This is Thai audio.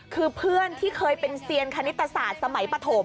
คือเพื่อนที่เคยเป็นเซียนคณิตศาสตร์สมัยปฐม